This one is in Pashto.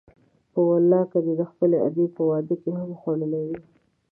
په والله که دې د خپلې ادې په واده کې هم خوړلي وي.